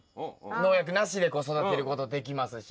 農薬なしでこう育てることできますしね。